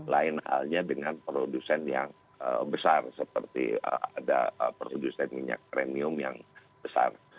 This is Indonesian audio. lain halnya dengan produsen yang besar seperti ada produsen minyak premium yang besar